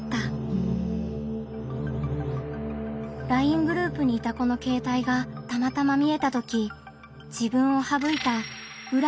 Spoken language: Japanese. ＬＩＮＥグループにいた子の携帯がたまたま見えたとき自分を省いた裏